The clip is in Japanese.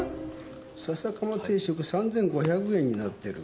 笹かま定食３，５００円になってる。